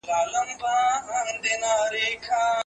په ګرځېدو کي د زړه رګونه نه بندېږي.